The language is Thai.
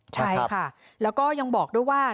ใช่ค่ะแล้วก็ยังบอกด้วยว่า